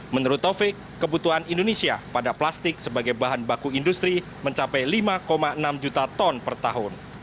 menurut taufik kebutuhan indonesia pada plastik sebagai bahan baku industri mencapai lima enam juta ton per tahun